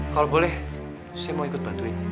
kalau boleh saya mau ikut bantuin